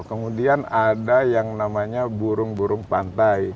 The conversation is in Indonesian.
kemudian ada yang namanya burung burung pantai